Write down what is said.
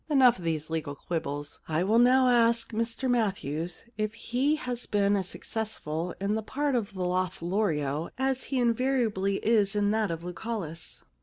Enough of these legal quibbles. I will now ask Mr Matthews if he has been as successful in the part of Lothario as he invariably is in that of Lucullus.'